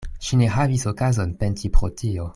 Ŝi ne havis okazon penti pro tio.